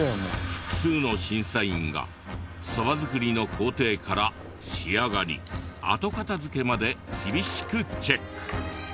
複数の審査員がそば作りの工程から仕上がり後片付けまで厳しくチェック。